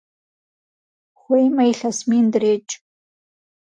Хуеймэ илъэс мин дрекӀ!